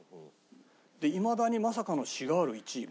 いまだにまさかのシガール１位。